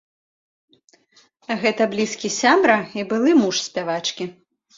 Гэта блізкі сябра і былы муж спявачкі.